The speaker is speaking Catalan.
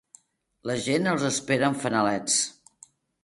La gent els espera amb fanalets.